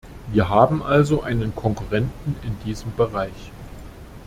Wir haben also einen Konkurrenten in diesem Bereich.